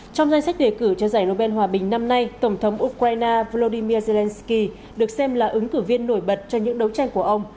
trong danh sách đề cử cho giải nobel hòa bình năm nay tổng thống ukraine volodymyr zelensky được xem là ứng cử viên nổi bật cho những đấu tranh của ông